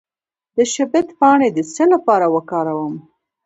د شبت پاڼې د څه لپاره وکاروم؟